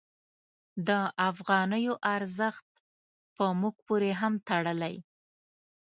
د افغانیو ارزښت په موږ پورې هم تړلی.